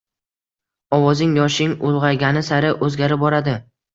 Ovozing yoshing ulg’aygani sari o’zgarib boradi.